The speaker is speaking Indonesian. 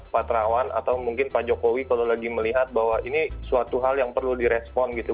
pak terawan atau mungkin pak jokowi kalau lagi melihat bahwa ini suatu hal yang perlu direspon gitu